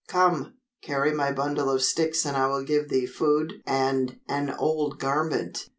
Come, carry my bundle of sticks and I will give thee food and an old garment."